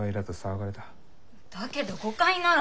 だけど誤解なら。